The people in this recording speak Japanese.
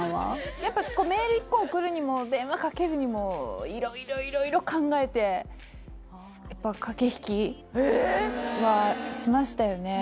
やっぱこうメール１個送るにも電話かけるにも色々色々考えてやっぱ駆け引きはしましたよね